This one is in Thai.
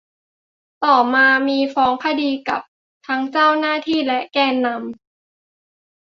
ต่อมามีฟ้องคดีกับทั้งเจ้าหน้าที่และแกนนำ